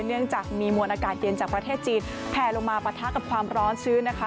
เนื่องจากมีมวลอากาศเย็นจากประเทศจีนแผลลงมาปะทะกับความร้อนชื้นนะคะ